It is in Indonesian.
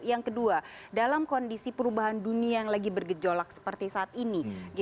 yang kedua dalam kondisi perubahan dunia yang lagi bergejolak seperti saat ini